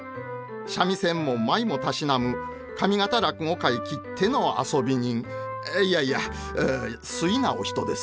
三味線も舞もたしなむ上方落語界きっての遊び人いやいや粋なお人です。